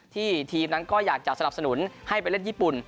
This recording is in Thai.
ทีมนั้นก็อยากจะสนับสนุนให้ไปเล่นญี่ปุ่น